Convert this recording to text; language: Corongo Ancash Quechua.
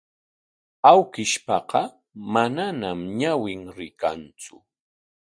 Awkishpaqa manañam ñawin rikantsu.